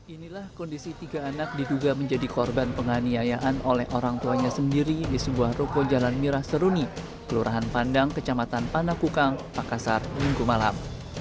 inilah kondisi tiga anak diduga menjadi korban penganiayaan oleh orang tuanya sendiri di sebuah ruko jalan mirah seruni kelurahan pandang kecamatan panakukang makassar minggu malam